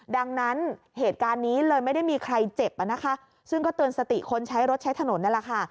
ดังนั้นเหตุการณ์นี้เลยไม่ได้มีใครเจ็บอ่ะนะคะซึ่งก็เตือนสติคนใช้รถใช้ถนนนั่นแหละค่ะ